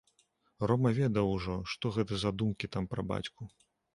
Рома ведаў ужо, што гэта за думкі там пра бацьку.